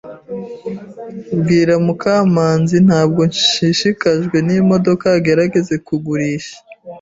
Bwira Mukamanzi Ntabwo nshishikajwe n'imodoka agerageza kugurisha.